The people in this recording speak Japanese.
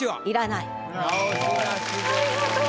要らない。